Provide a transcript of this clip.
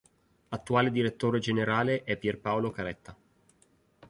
Attuale direttore generale è Pierpaolo Caretta.